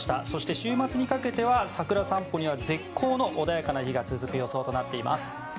そして週末にかけては桜散歩には絶好の穏やかな日が続く予想となっています。